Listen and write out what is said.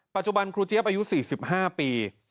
ปัจจุบันครูเจี๊ยบอายุ๔๕ปี